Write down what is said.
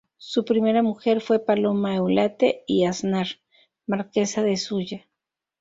Su primera mujer fue Paloma Eulate y Aznar, marquesa de Zuya.